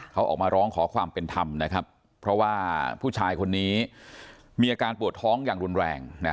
เขาออกมาร้องขอความเป็นธรรมนะครับเพราะว่าผู้ชายคนนี้มีอาการปวดท้องอย่างรุนแรง